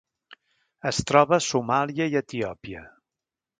Es troba a Somàlia i Etiòpia.